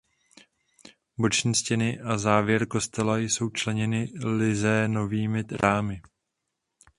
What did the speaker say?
Boční stěny a závěr kostela jsou členěny lizénovými rámy.